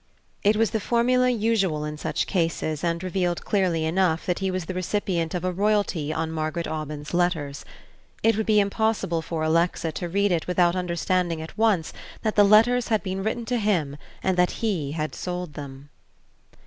It was the formula usual in such cases and revealed clearly enough that he was the recipient of a royalty on Margaret Aubyn's letters. It would be impossible for Alexa to read it without understanding at once that the letters had been written to him and that he had sold them....